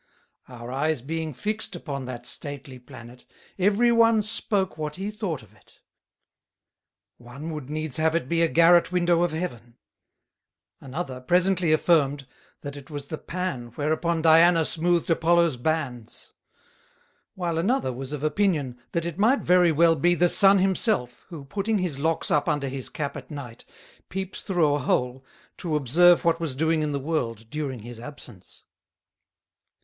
Our Eyes being fixed upon that stately Planet, every one spoke what he thought of it: One would needs have it be a Garret Window of Heaven; another presently affirmed, That it was the Pan whereupon Diana smoothed Apollo's Bands; whilst another was of Opinion, That it might very well be the Sun himself, who putting his Locks up under his Cap at Night, peeped through a hole to observe what was doing in the World during his absence.